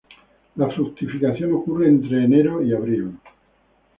La fructificación ocurre entre enero y abril.